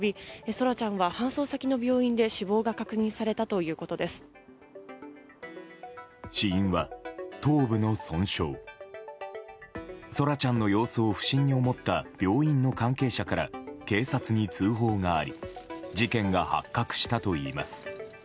空来ちゃんの様子を不審に思った病院の関係者から警察に通報があり事件が発覚したといいます。